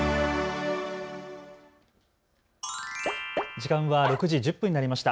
時間は６時１０分になりました。